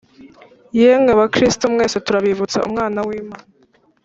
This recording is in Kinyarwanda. yemwe bakristo mwese, turabibutsa umwana w'imana